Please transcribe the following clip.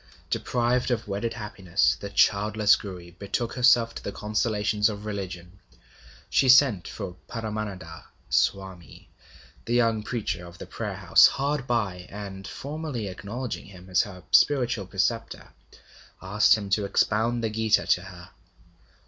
Deprived of wedded happiness, the childless Gouri betook herself to the consolations of religion. She sent for Paramananda Swami, the young preacher of the Prayer House hard by, and, formally acknowledging him as her spiritual preceptor, asked him to expound the Gita to her.